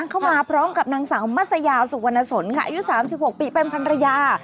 เข้ามาพร้อมกับนางสาวมัสยาสุวรรณสนค่ะอายุ๓๖ปีเป็นพันรยา